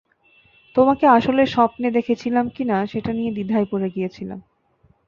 তোমাকে আসলে স্বপ্নে দেখেছিলাম কিনা সেটা নিয়ে দ্বিধায় পড়ে গিয়েছিলাম।